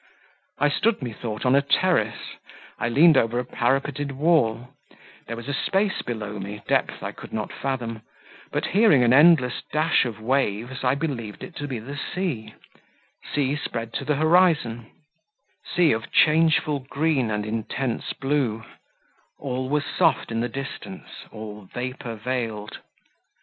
I stood, methought, on a terrace; I leaned over a parapeted wall; there was space below me, depth I could not fathom, but hearing an endless dash of waves, I believed it to be the sea; sea spread to the horizon; sea of changeful green and intense blue: all was soft in the distance; all vapour veiled.